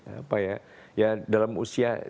apa ya ya dalam usia